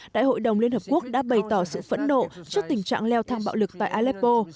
đại hội đồng liên hợp quốc đã bày tỏ sự phẫn nộ trước tình trạng leo thang bạo lực tại aleppo